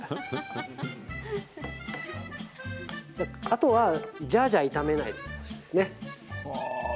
あとはジャージャー炒めないことですね。